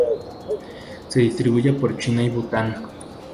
Se distribuye por China y Bután.